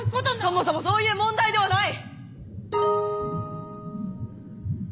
そもそもそういう問題ではない！